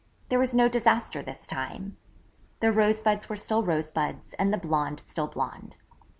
There was no disaster this time. The rosebuds were still rosebuds and the blonde still blonde.